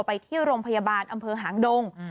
ไปที่โรงพยาบาลอำเภอหางดง